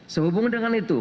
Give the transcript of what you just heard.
sehubung dengan itu